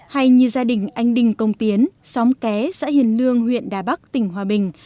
hay như gia đình anh đinh công tiến xóm ké xã hiền lương huyện đà bắc tỉnh hòa bình